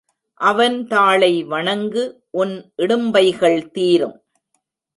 அவன் தாளை வணங்கு உன் இடும்பைகள் தீரும்.